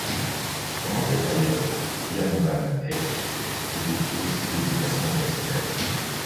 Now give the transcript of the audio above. Pendant cette période, Jan van Eyck effectue aussi des déplacements personnels.